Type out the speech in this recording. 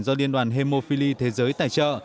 do điện đoàn hemophili thế giới tài trợ